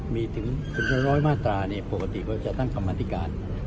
มีถึงถึงร้อยมาตราเนี่ยปกติก็จะตั้งกรรมอธิการ